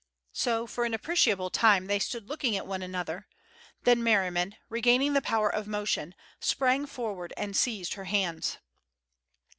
So for an appreciable time they stood looking at one another, then Merriman, regaining the power of motion, sprang forward and seized her hands.